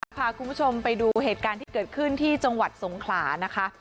พาคุณผู้ชมไปดูเหตุการณ์ที่เกิดขึ้นที่จังหวัดสงขลานะคะ